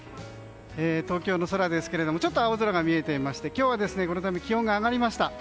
東京の空ですがちょっと青空が見えてきまして今日は気温が上がりました。